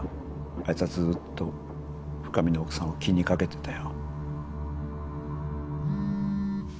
あいつはずーっと深海の奥さんを気にかけてたよ。